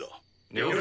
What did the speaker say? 了解。